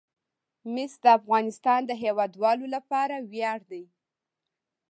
مس د افغانستان د هیوادوالو لپاره ویاړ دی.